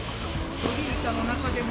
ロリータの中でも。